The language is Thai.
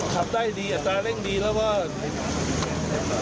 ขับได้ดีอัตราเร่งดีแล้วก็